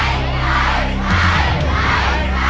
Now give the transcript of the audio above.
ใช้